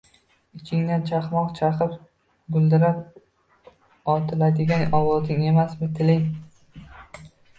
Ichingdan chaqmoq chaqib, guldirab otiladigan ovozing emasmi tiling?!